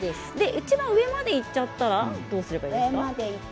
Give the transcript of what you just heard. いちばん上までいったらどうしたらいいですか。